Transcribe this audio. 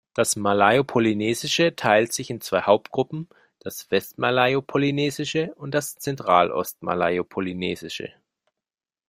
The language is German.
Das Malayo-Polynesische teilt sich in zwei Hauptgruppen, das "West-Malayo-Polynesische" und das "Zentral-Ost-Malayo-Polynesische".